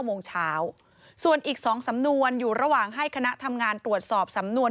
โมงเช้าส่วนอีก๒สำนวนอยู่ระหว่างให้คณะทำงานตรวจสอบสำนวน